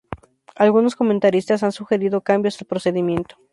Algunos comentaristas han sugerido cambios al procedimiento.